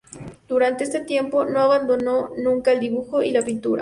Durante este tiempo no abandonó nunca el dibujo y la pintura.